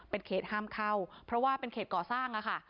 เป็นเขตห้ามเข้าเพราะว่าเป็นเขตก่อสร้างอะค่ะ